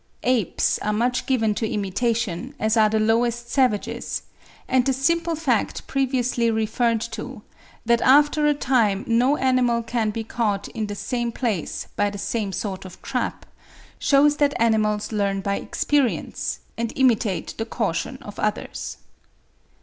Apes are much given to imitation, as are the lowest savages; and the simple fact previously referred to, that after a time no animal can be caught in the same place by the same sort of trap, shews that animals learn by experience, and imitate the caution of others.